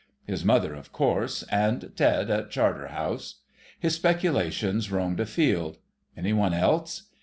His mother, of course, ... and Ted at Charterhouse. His speculations roamed afield. Any one else?